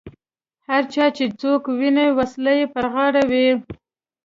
هر ځای چې څوک وینم وسله یې پر غاړه وي.